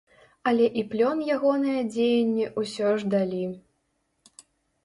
Але і плён ягоныя дзеянні ўсё ж далі.